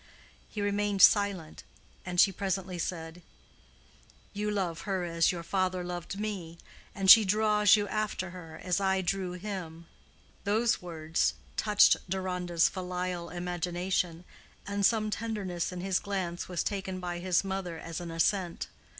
He remained silent, and she presently said, "You love her as your father loved me, and she draws you after her as I drew him." Those words touched Deronda's filial imagination, and some tenderness in his glance was taken by his mother as an assent.